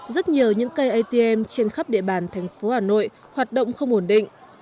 rất nhiều những cây atm trên khắp địa bàn thành phố hà nội hoạt động không ổn định